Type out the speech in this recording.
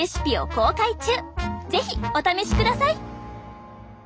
是非お試しください。